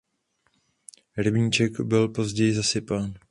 Rybníček byl později zasypán.